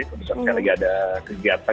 sebesar besar lagi ada kegiatan